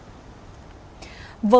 với hành vi giết người